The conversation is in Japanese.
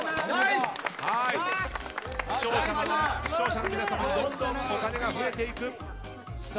視聴者の皆様にどんどんお金が増えていく。